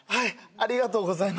ありがとうございます。